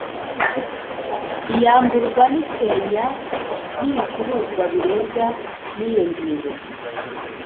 iyamburwa n isenya ry ibicuruzwa birebwa niyo ngingo